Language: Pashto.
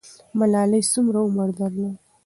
ملالۍ څومره عمر درلود؟